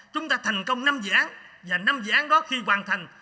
chúng ta thành công năm dự án và năm dự án đó khi hoàn thành